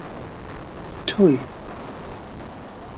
تۆی: